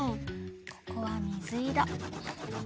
ここはみずいろ。